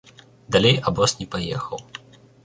Далей абоз не паехаў.